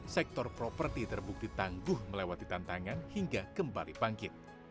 sektor properti terbukti tangguh melewati tantangan hingga kembali bangkit